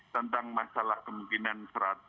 tentang masalah kemungkinan